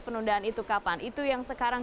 penundaan itu kapan itu yang sekarang